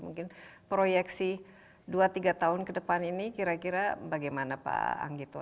mungkin proyeksi dua tiga tahun ke depan ini kira kira bagaimana pak anggito